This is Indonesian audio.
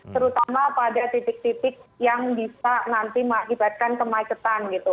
terutama pada titik titik yang bisa nanti mengakibatkan kemacetan gitu